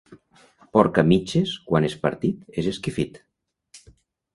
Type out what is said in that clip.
Porc a mitges, quan és partit, és esquifit.